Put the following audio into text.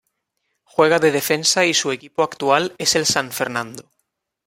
Juega de defensa y su equipo actual es el San Fernando.